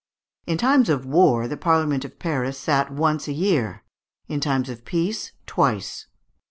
In times of war the Parliament of Paris sat once a year, in times of peace twice.